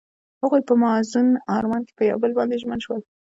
هغوی په موزون آرمان کې پر بل باندې ژمن شول.